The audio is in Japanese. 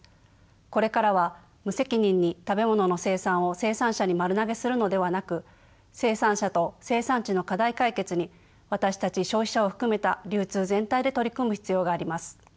これからは無責任に食べ物の生産を生産者に丸投げするのではなく生産者と生産地の課題解決に私たち消費者を含めた流通全体で取り組む必要があります。